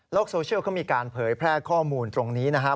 โซเชียลเขามีการเผยแพร่ข้อมูลตรงนี้นะครับ